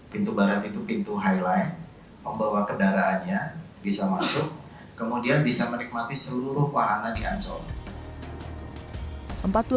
pintu barat itu pintu highlight membawa kendaraannya bisa masuk kemudian bisa menikmati seluruh wahana di ancol